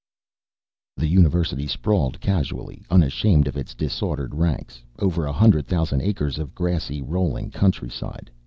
The University sprawled casually, unashamed of its disordered ranks, over a hundred thousand acres of grassy, rolling countryside.